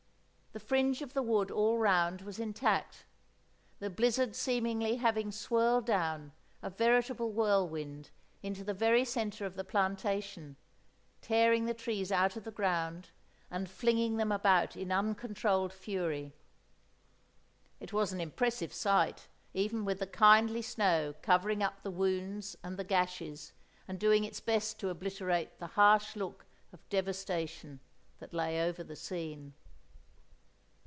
The fringe of the wood all round was intact; the blizzard seemingly having swirled down, a veritable whirlwind, into the very centre of the plantation, tearing the trees out of the ground, and flinging them about in uncontrolled fury. It was an impressive sight—even with the kindly snow covering up the wounds and the gashes, and doing its best to obliterate the harsh look of devastation that lay over the scene.